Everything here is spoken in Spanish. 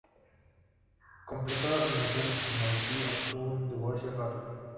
Completada su misión en Haití obtuvo un divorcio rápido.